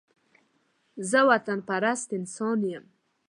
زه وطن پرست انسان يم